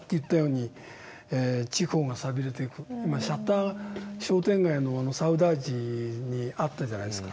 シャッター商店街あの「サウダーヂ」にあったじゃないですか。